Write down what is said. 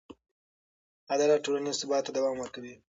عدالت ټولنیز ثبات ته دوام ورکوي.